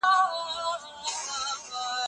ایا ته غواړې چي خپله مقاله سمه کړې؟